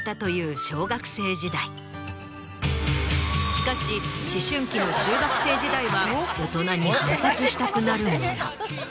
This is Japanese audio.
しかし思春期の中学生時代は大人に反発したくなるもの。